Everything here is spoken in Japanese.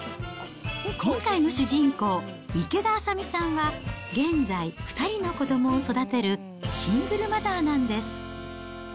今回の主人公、池田麻美さんは、現在２人の子どもを育てるシングルマザーなんです。